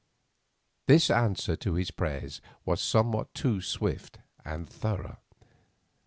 This answer to his prayers was somewhat too swift and thorough.